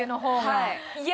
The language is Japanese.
はい。